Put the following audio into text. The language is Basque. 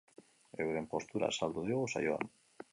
Euren postura azaldu digu saioan.